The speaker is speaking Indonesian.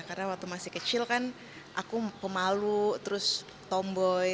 karena waktu masih kecil kan aku pemalu terus tomboy